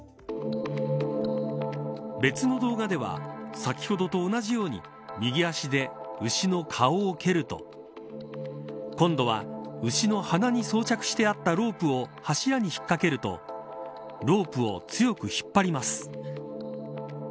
別の動画では先ほどと同じように、右足で牛の顔を蹴ると今度は、牛の鼻に装着してあったロープを柱に引っ掛けるとロープを強く引っ張ります。